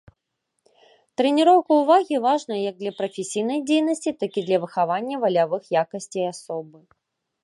Трэніроўка ўвагі важная як для прафесійнай дзейнасці, так і для выхавання валявых якасцей асобы.